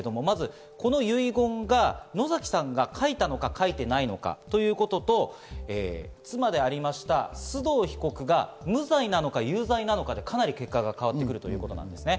この遺言が野崎さんが書いたのか書いていないのかということと、妻でありました須藤被告が無罪なのか有罪なのかで、かなり結果が変わってくるということなんですね。